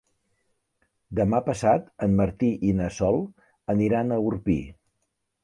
Demà passat en Martí i na Sol aniran a Orpí.